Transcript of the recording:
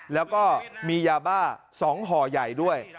แล้วก็มียาบ้า๒ห่อใหญ่ด้วย